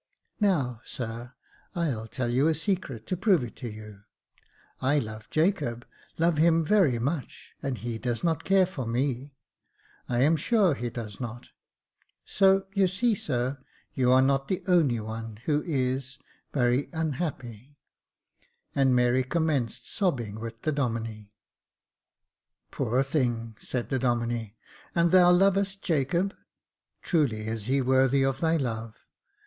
Now, sir, I'll tell you a secret, to prove it to you. I love Jacob — love him very much, and he does not care for me — I am sure he does not ; so, you see, sir, you are not the only one — who is — very unhappy j " and Mary commenced sobbing with the Domine. "Poor thing!" said the Domine j "and thou lovest Jacob .'* truly is he worthy of thy love.